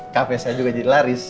kafe saya juga jadi laris